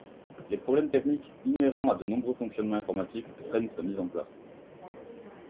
Les problèmes techniques inhérents à de nombreux fonctionnements informatiques freinent sa mise en place.